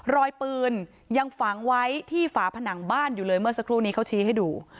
รอยปืนยังฝังไว้ที่ฝาผนังบ้านอยู่เลยเมื่อสักครู่นี้เขาชี้ให้ดู